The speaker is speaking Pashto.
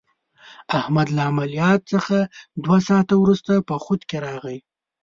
احمد له عملیات څخه دوه ساعته ورسته په خود کې راغی.